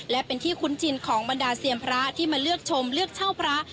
และเป็นที่คุ้นชินของบรรดาเซียนพระที่มาเลือกชมเลือกเช่าพระ